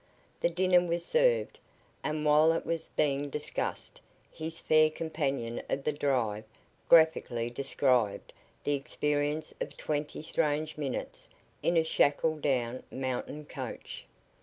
The dinner was served, and while it was being discussed his fair companion of the drive graphically described the experience of twenty strange minutes in a shackle down mountain coach.